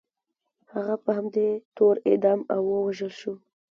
هغه په همدې تور اعدام او ووژل شو.